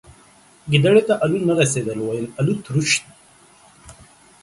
گيدړي ته الو نه رسيدل ، ويل يې الوتروش.